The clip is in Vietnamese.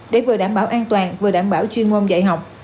để vừa đảm bảo an toàn vừa đảm bảo chuyên môn dạy học